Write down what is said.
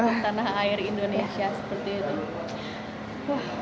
untuk tanah air indonesia seperti itu